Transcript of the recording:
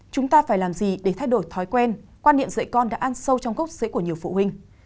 chúng ta phải làm gì để thay đổi thói quen quan niệm dạy con đã ăn sâu trong gốc rễ của nhiều phụ huynh